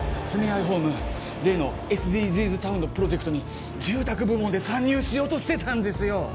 住愛ホーム例のＳＤＧｓタウンのプロジェクトに住宅部門で参入しようとしてたんですよ。